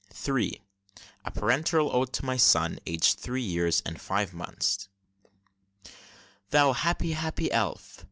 III. A PARENTAL ODE TO MY SON, AGED THREE YEARS AND FIVE MONTHS. Thou happy, happy elf!